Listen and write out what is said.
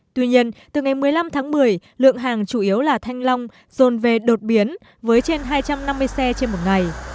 tuy nhiên từ ngày một mươi năm tháng một mươi lượng hàng chủ yếu là thanh long dồn về đột biến với trên hai trăm năm mươi xe trên một ngày